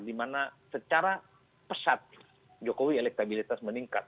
dimana secara pesat jokowi elektabilitas meningkat